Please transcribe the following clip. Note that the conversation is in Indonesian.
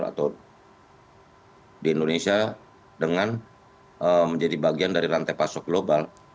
atau di indonesia dengan menjadi bagian dari rantai pasok global